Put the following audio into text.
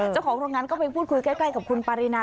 เจ้าของโรงงานก็ไปพูดคุยใกล้กับคุณปารีนา